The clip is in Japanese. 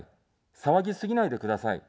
騒ぎすぎないでください。